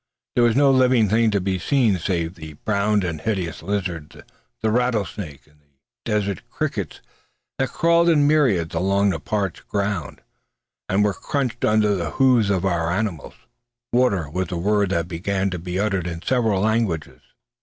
There was no living thing to be seen save the brown and hideous lizard, the rattlesnake, and the desert crickets that crawled in myriads along the parched ground, and were crunched under the hoofs of our animals. "Water!" was the word that began to be uttered in several languages.